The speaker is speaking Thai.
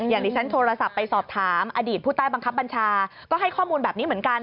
อย่างที่ฉันโทรศัพท์ไปสอบถามอดีตผู้ใต้บังคับบัญชาก็ให้ข้อมูลแบบนี้เหมือนกัน